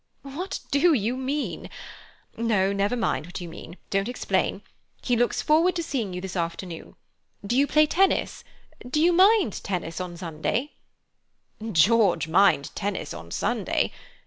"What do you mean? No, never mind what you mean. Don't explain. He looks forward to seeing you this afternoon. Do you play tennis? Do you mind tennis on Sunday—?" "George mind tennis on Sunday!